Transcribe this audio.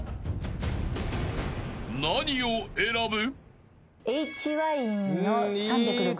［何を選ぶ？］